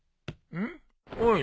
うん？おい。